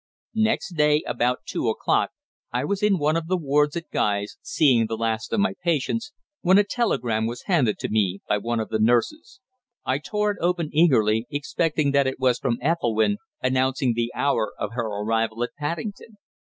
Next day about two o'clock I was in one of the wards at Guy's, seeing the last of my patients, when a telegram was handed to me by one of the nurses. I tore it open eagerly, expecting that it was from Ethelwynn, announcing the hour of her arrival at Paddington.